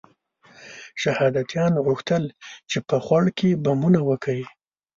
شهادیانو غوښتل چې په خوړ کې بمونه وکري.